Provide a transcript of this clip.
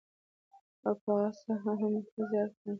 او په هغو هم بېخي زیات ګران و.